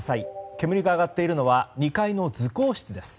煙が上がっているのは２階の図工室です。